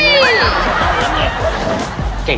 แม่เก่งนะครับ